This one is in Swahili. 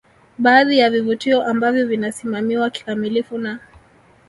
Baadhi ya vivutio ambavyo vinasimamiwa kikamilifu na